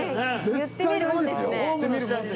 絶対ないですよ。